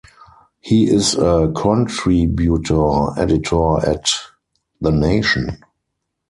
He is a contributor editor at "The Nation".